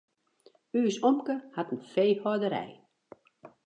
Us omke hat in feehâlderij.